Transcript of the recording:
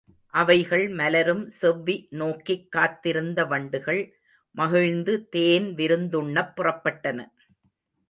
அவைகள் மலரும் செவ்வி நோக்கிக் காத்திருந்த வண்டுகள், மகிழ்ந்து தேன் விருந்துண்ணப் புறப்பட்டன.